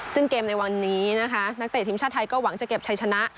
ซึ่งเกมในวันนี้นะคะนักเตะทีมชาติไทยก็หวังจะเก็บชัยชนะ